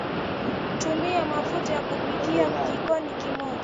tumia mafuta ya kupikia kijiko kimoja